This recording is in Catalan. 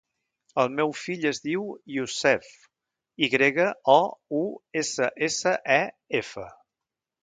El meu fill es diu Youssef: i grega, o, u, essa, essa, e, efa.